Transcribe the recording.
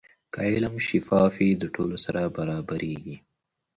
که علم شفاف وي، د ټولو سره برابریږي.